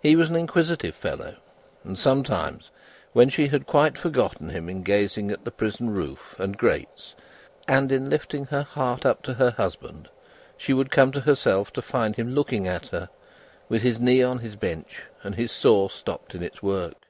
He was an inquisitive fellow, and sometimes when she had quite forgotten him in gazing at the prison roof and grates, and in lifting her heart up to her husband, she would come to herself to find him looking at her, with his knee on his bench and his saw stopped in its work.